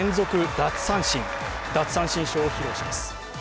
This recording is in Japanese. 奪三振ショーを披露します。